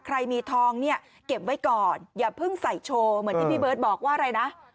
ใครมีทองเนี่ยเก็บไว้ก่อนอย่าเพิ่งใส่โชว์เหมือนที่พี่เบิร์ตบอกว่าอะไรนะ